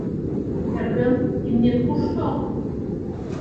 — Эргым, имнет кушто?